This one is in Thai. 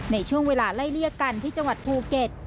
ในช่วงเวลาไล่เลี่ยกันที่จังหวัดภูเก็ต